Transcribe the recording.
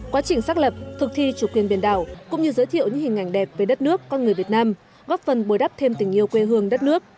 quá trình xác lập thực thi chủ quyền biển đảo cũng như giới thiệu những hình ảnh đẹp về đất nước con người việt nam góp phần bồi đắp thêm tình yêu quê hương đất nước